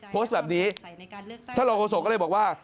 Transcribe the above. โพสต์แบบนี้ท่านรองโฆษกก็เลยบอกว่า